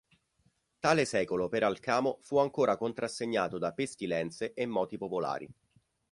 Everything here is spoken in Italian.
Tale secolo per Alcamo fu ancora contrassegnato da pestilenze e moti popolari.